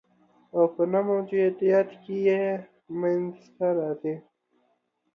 او په نه موجودیت کي یې منځ ته راځي